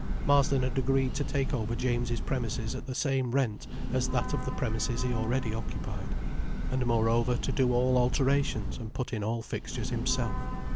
Marsden had agreed to take over James's premises at the same rent as that of the premises he already occupied, and moreover to do all alterations and put in all fixtures himself.